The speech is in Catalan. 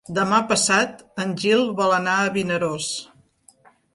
Demà passat en Gil vol anar a Vinaròs.